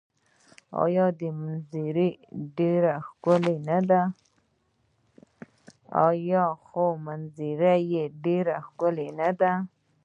آیا خو منظرې یې ډیرې ښکلې نه دي؟